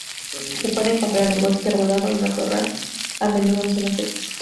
Se puede encontrar en el bosque, arbolado y matorral, a menudo en zonas secas.